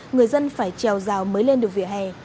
người dân phải trèo rào mới lên được vỉa hè